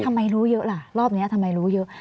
รู้เยอะล่ะรอบนี้ทำไมรู้เยอะ